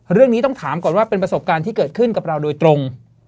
เรื่องนี้ต้องถามก่อนว่าเป็นประสบการณ์ที่เกิดขึ้นกับเราโดยตรง